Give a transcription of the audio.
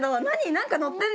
なんか乗ってる！